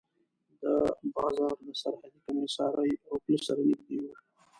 دا بازار د سرحدي کمېسارۍ او پله سره نږدې و.